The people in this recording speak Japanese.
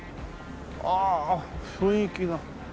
ああ雰囲気が。